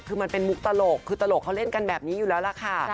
คือมันเป็นมุกตลกคือตลกเขาเล่นกันแบบนี้อยู่แล้วล่ะค่ะ